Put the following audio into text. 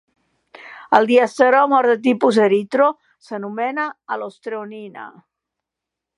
El diastereòmer de tipus eritro s'anomena alostreonina.